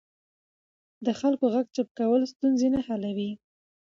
د خلکو غږ چوپ کول ستونزې نه حلوي